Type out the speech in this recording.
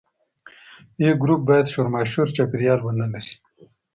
A ګروپ باید شورماشور چاپیریال ونه لري.